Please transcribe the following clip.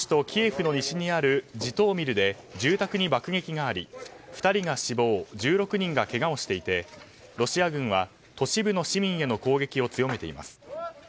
キエフの西にあるジトーミルで住宅に爆撃があり、２人が死亡１６人がけがをしていてロシア軍は都市部の市民への攻撃を強めています。